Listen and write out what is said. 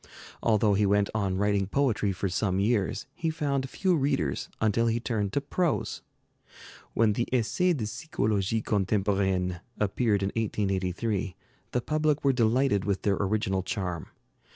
Although he went on writing poetry for some years, he found few readers until he turned to prose. When the 'Essais de Psychologie Contemporaine' appeared in 1883, the public were delighted with their original charm.